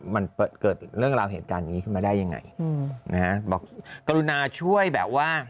มันเกิดเรื่องราวเหตุการณ์อย่างนี้ขึ้นมาได้ยังไงอืมนะฮะบอกกรุณาช่วยแบบว่า